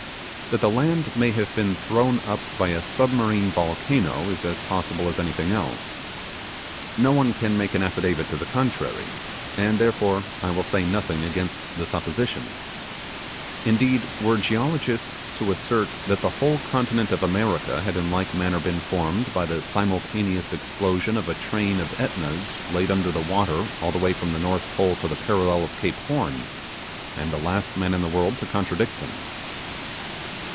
That the land may have been thrown up by a submarine volcano is as possible as anything else. No one can make an affidavit to the contrary, and therefore I still say nothing against the supposition: indeed, were geologists to assert that the whole continent of America had in like manner been formed by the simultaneous explosion of a train of Etnas laid under the water all the way from the North Pole to the parallel of Cape Horn, I am the last man in the world to contradict them.